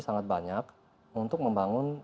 sangat banyak untuk membangun